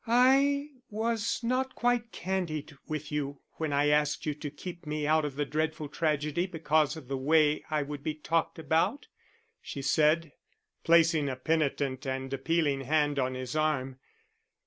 "I was not quite candid with you when I asked you to keep me out of the dreadful tragedy because of the way I would be talked about," she said, placing a penitent and appealing hand on his arm.